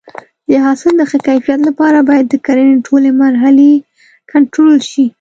د حاصل د ښه کیفیت لپاره باید د کرنې ټولې مرحلې کنټرول شي.